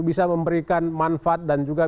bisa memberikan manfaat dan juga